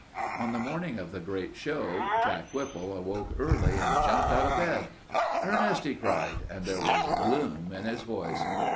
On the morning of the great show Jack Whipple awoke early and jumped out of bed. "Ernest!" he cried, and there was gloom in his voice.